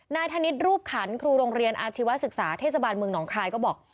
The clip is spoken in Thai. ธนิษฐ์รูปขันครูโรงเรียนอาชีวศึกษาเทศบาลเมืองหนองคายก็บอก